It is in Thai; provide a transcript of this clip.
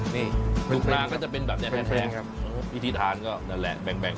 ดุกนางก็จะเป็นแบบแทนครับพิธีทานก็ฝั่งแปลก